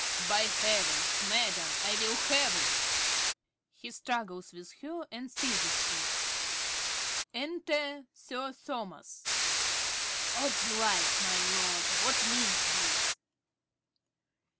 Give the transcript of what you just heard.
_) By heavens, madam, I will have it! (He struggles with her and seizes it.) Enter Sir Thomas. ~Sir Thomas~. Odds life, my lord, what means this?